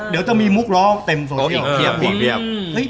เดี๋ยวจะมีมุกร้องเต็มโซสิทธิ์